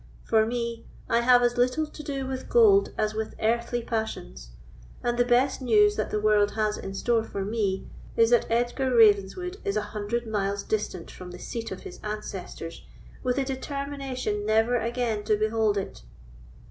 For me, I have as little to do with gold as with earthly passions; and the best news that the world has in store for me is, that Edgar Ravenswood is an hundred miles distant from the seat of his ancestors, with the determination never again to behold it."